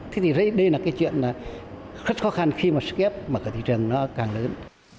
thế thì đây là cái chuyện rất khó khăn khi mà sk mở cửa thị trường nó càng lớn